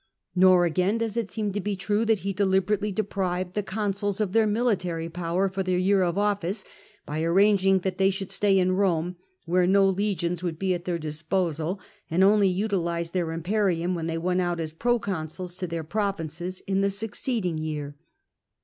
Nor, again, does it seem to be true that he deliberately deprived the con suls of their military power for their year of office, by arranging that they should stay in Rome, where no legions would be at their disposal, and only utilise their imperium when they went out as proconsuls to their provinces in the succeeding year.